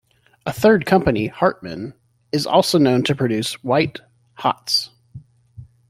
A third company, Hartmann, is also known to produce white hots.